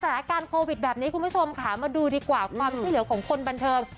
สถานการณ์โควิดแบบนี้คุณผู้ชมค่ะมาดูดีกว่าความช่วยเหลือของคนบันเทิง